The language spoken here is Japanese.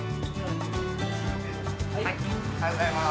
おはようございます。